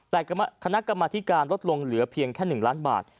แต่คณะกรรมธิการลดลงเหลือเพียงแค่๑ล้านบาท